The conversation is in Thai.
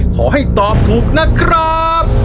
ขอให้ตอบถูกนะครับ